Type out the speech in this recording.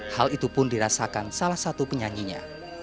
hal itu pun dirasakan salah satu penyanyinya